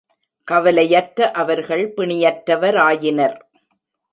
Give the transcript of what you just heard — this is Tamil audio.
கவலையற்ற அவர்கள், பிணியற்றவ ராயினர்.